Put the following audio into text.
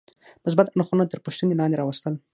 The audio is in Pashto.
مثبت اړخونه تر پوښتنې لاندې راوستل.